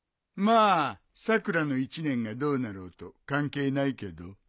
まあさくらの一年がどうなろうと関係ないけど。